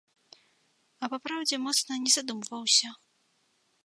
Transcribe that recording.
А папраўдзе, моцна не задумваўся.